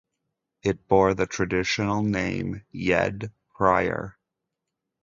It bore the traditional name "Yed Prior".